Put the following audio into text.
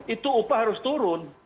itu upah harus turun